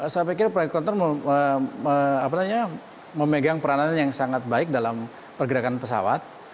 saya pikir flight conter memegang peranan yang sangat baik dalam pergerakan pesawat